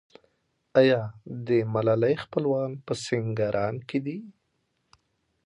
آیا د ملالۍ خپلوان په سینګران کې دي؟